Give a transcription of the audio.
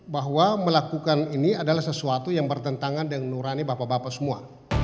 bahwa melakukan ini adalah sesuatu yang bertentangan dengan nurani bapak bapak semua